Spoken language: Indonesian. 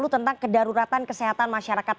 tentang kedaruratan kesehatan masyarakat